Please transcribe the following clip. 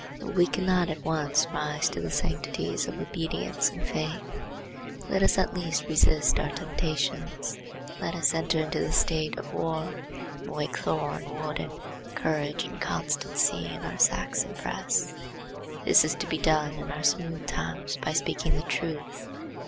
If we cannot at once rise to the sanctities of obedience and faith, let us at least resist our temptations; let us enter into the state of war and wake Thor and Woden, courage and constancy, in our Saxon breasts. This is to be done in our smooth times by speaking the truth.